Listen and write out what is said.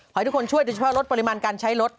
ให้ทุกคนช่วยโดยเฉพาะลดปริมาณการใช้รถ